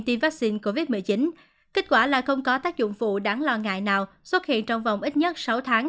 dịch covid một mươi chín kết quả là không có tác dụng vụ đáng lo ngại nào xuất hiện trong vòng ít nhất sáu tháng